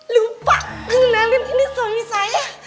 lupa mengenalin ini suami saya